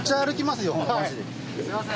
・すいません